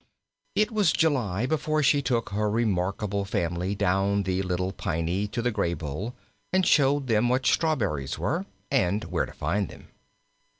It was July before she took her remarkable family down the Little Piney to the Graybull, and showed them what strawberries were, and where to find them.